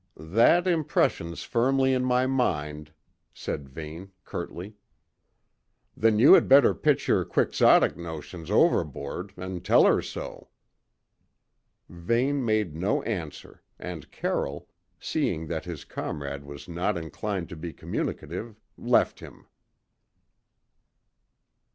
"That impression's firmly in my mind," said Vane, curtly. "Then you had better pitch your quixotic notions overboard, and tell her so." Vane made no answer, and Carroll, seeing that his comrade was not inclined to be communicative, left him.